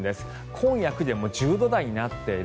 今夜９時で１０度台になっている。